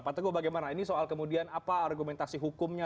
pak teguh bagaimana ini soal kemudian apa argumentasi hukumnya